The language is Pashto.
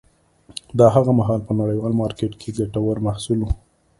دا هغه مهال په نړیوال مارکېټ کې ګټور محصول و